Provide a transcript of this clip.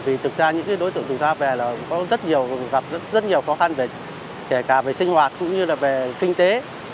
vì thực ra những đối tượng thủ tháp về có rất nhiều khó khăn kể cả về sinh hoạt cũng như về kinh tế